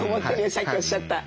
さっきおっしゃった。